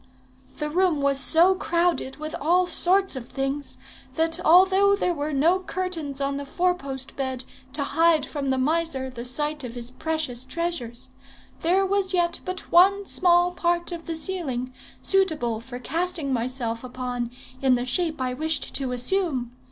"The room was so crowded with all sorts of things, that although there were no curtains on the four post bed to hide from the miser the sight of his precious treasures, there was yet but one small part of the ceiling suitable for casting myself upon in the shape I wished to assume.